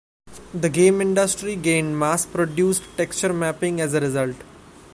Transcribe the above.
The game industry gained mass-produced texture mapping as a result.